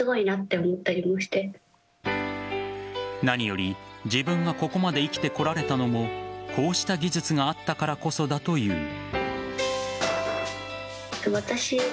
何より、自分がここまで生きてこられたのもこうした技術があったからこそだという。